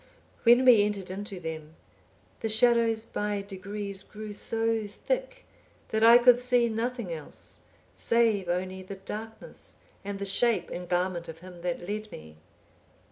When we entered into them, the shadows by degrees grew so thick, that I could see nothing else, save only the darkness and the shape and garment of him that led me.